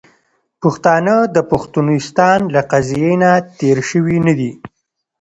پښتانه د پښتونستان له قضیې نه تیر شوي نه دي .